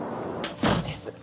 そうです。